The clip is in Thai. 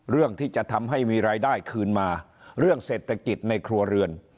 เรื่องที่จะทำให้มีรายได้คืนมาเรื่องเศรษฐกิจในครัวเรือน